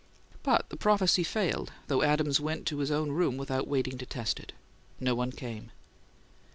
But the prophecy failed, though Adams went to his own room without waiting to test it. No one came.